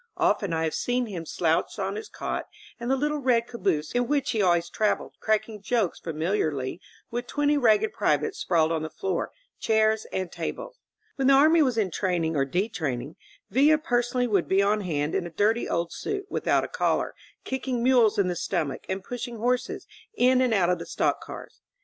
Often I have seen him slouched on his cot in the little red caboose in which he always traveled, cracking jokes familiarly with twenty ragged privates sprawled on the floor, cjiairs and tables. When the army was entraining or detrain ing. Villa personally would be on hapd in a dirty old suit, without a collar, kicking mules in, the stomach and pushing horses in and out of the stock cars.